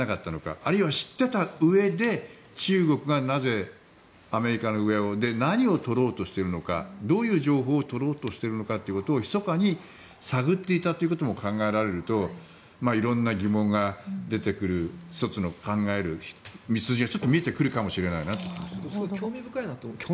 あるいは知ってたうえで中国がなぜ、アメリカの上で何を取ろうとしているのかどういう情報を取ろうとしていたのかということを探っていたということを考えられると色んな疑問が出てくる１つの考える道筋が見えてくるかもしれないなと。